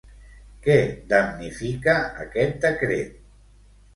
Què damnifica aquest decret?